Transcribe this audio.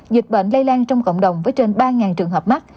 dịch bệnh lây lan trong cộng đồng với trên ba trường hợp mắc